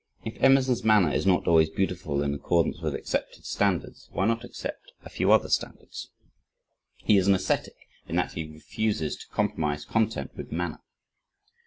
If Emerson's manner is not always beautiful in accordance with accepted standards, why not accept a few other standards? He is an ascetic, in that he refuses to compromise content with manner.